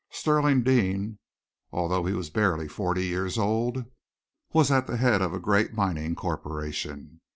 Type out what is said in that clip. Stirling Deane, although he was barely forty years old, was at the head of a great mining corporation.